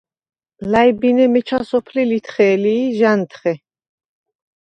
ლა̈ჲბინე მიჩა სოფლი ლითხე̄ლი ი ჟ’ა̈ნთხე.